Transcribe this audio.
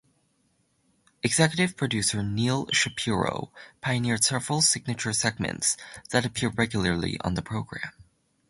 Executive producer Neal Shapiro pioneered several "signature segments" that appeared regularly on the program.